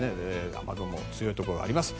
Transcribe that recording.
雨雲が強いところがあります。